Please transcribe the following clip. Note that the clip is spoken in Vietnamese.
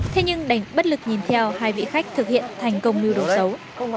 thế nhưng đành bất lực nhìn theo hai vị khách thực hiện thành công mưu đồ xấu